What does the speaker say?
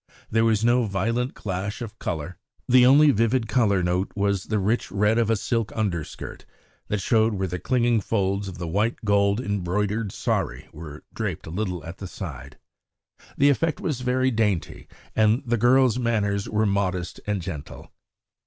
There was no violent clash of colour; the only vivid colour note was the rich red of a silk underskirt that showed where the clinging folds of the white gold embroidered sari were draped a little at the side. The effect was very dainty, and the girls' manners were modest and gentle.